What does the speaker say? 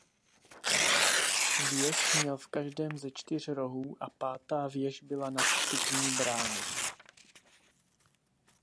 Věž měl v každém ze čtyř rohů a pátá věž byla nad vstupní bránou.